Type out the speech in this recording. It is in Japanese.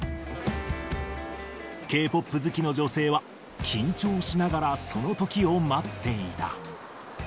Ｋ−ＰＯＰ好きの女性は、緊張しながらそのときを待っていた。